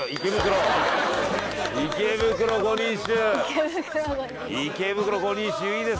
池袋５人衆。